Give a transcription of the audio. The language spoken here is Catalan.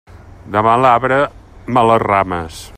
De mal arbre, males rames.